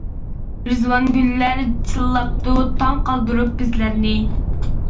رىزۋانگۈللەر ‹ ‹چىللاپتۇ› ›، تاڭ قالدۇرۇپ بىزلەرنى.